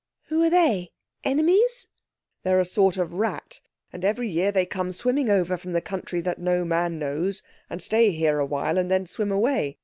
"Who are they—enemies?" "They're a sort of rat; and every year they come swimming over from the country that no man knows, and stay here awhile, and then swim away.